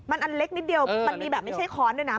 มันอันเล็กนิดเดียวมันมีแบบไม่ใช่ค้อนด้วยนะ